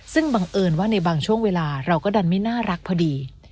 ซึ่งบังเอิญว่าในบางช่วงเวลาเราก็ดันไม่น่ารักพอดี